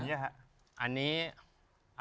อย่างเนี้ยฮะ